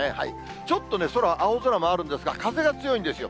ちょっとね、空、青空もあるんですが、風が強いんですよ。